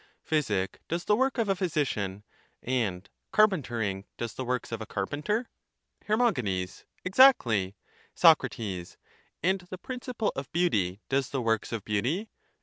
Physic does the work of a physician, and carpentering does the works of a carpenter? Her. Exactly. Soc. And the principle of beauty does the works of beauty